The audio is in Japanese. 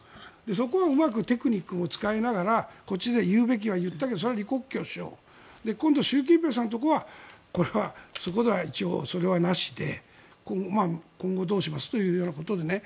そこはうまくテクニックも使いながらこっちで言うべきは言ったけどそれは李克強首相今度、習近平さんの時はこれはそこでは一応それはなしで今後どうします？ということで。